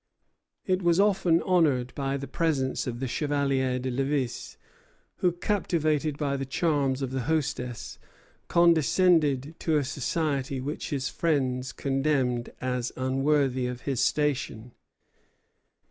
It was often honored by the presence of the Chevalier de Lévis, who, captivated by the charms of the hostess, condescended to a society which his friends condemned as unworthy of his station.